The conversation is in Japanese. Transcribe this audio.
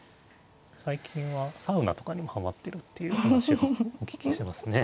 最近はサウナとかにもはまってるっていう話をお聞きしますね。